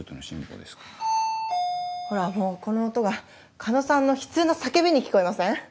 ほらもうこの音が狩野さんの悲痛な叫びに聞こえません？